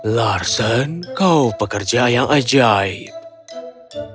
larsen kau pekerja yang ajaib